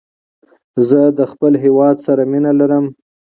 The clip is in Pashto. زه له خپل هيواد سره مینه لرم.